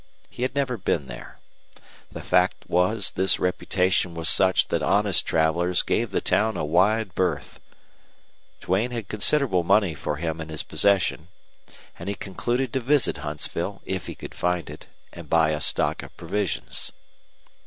He had never been there. The fact was this reputation was such that honest travelers gave the town a wide berth. Duane had considerable money for him in his possession, and he concluded to visit Huntsville, if he could find it, and buy a stock of provisions.